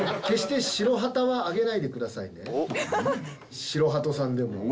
決して白旗は上げないでくださいね、白鳩さんでも。